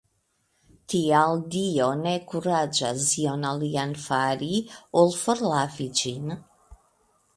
Tial Dio ne kuraĝas ion alian fari, ol forlavi ĝin!